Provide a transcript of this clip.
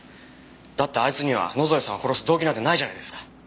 だってあいつには野添さんを殺す動機なんてないじゃないですか。